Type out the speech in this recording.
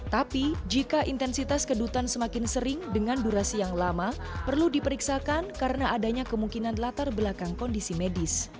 tapi jika intensitas kedutan semakin sering dengan durasi yang lama perlu diperiksakan karena adanya kemungkinan latar belakang kondisi medis